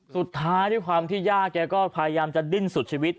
ด้วยความที่ย่าแกก็พยายามจะดิ้นสุดชีวิต